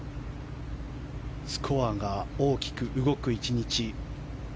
スコアが大きく動く１日。